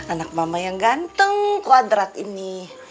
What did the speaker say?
anak mama yang ganteng kuadrat ini